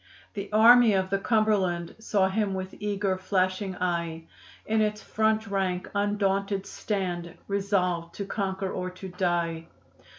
The Army of the Cumberland Saw him with eager, flashing eye In its front rank undaunted stand, Resolved to conquer or to die.